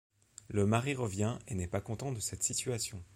Le mari revient et n'est pas content de cette situation.